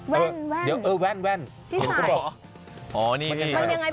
แว่นที่ใส่มันยังไงพิเศษยังไงคะ